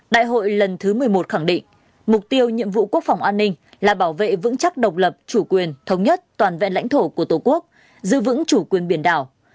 đại hội lần thứ một mươi một khẳng định mục tiêu nhiệm vụ quốc phòng an ninh là bảo vệ vững chắc độc lập chủ quyền thống nhất toàn vẹn lãnh thổ của tổ quốc giữ vững chủ quyền biển đảo